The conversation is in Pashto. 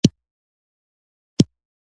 ننګرهار پوهنتون کوم پوهنځي لري؟